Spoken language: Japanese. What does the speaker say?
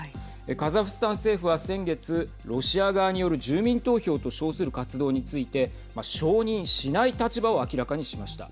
カザフスタン政府は、先月ロシア側による住民投票と称する活動について承認しない立場を明らかにしました。